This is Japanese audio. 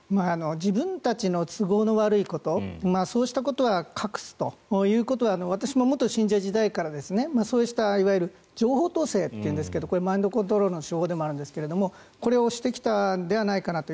自分たちの都合の悪いことそうしたことは隠すということは私も元信者時代からそうしたいわゆる情報統制というんですがマインドコントロールの手法でもあるんですがこれをしてきたのではないかと。